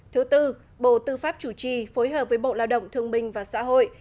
thứ tư bộ tư pháp chủ trì phối hợp với bộ lao động thương minh và xã hội